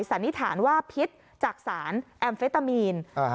สันนิษฐานว่าพิษจากสารแอมเฟตามีน